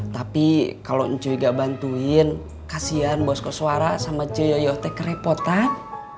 tapi kalau ncuy gak bantuin kasian bos koswara sama coyoya terkerepotan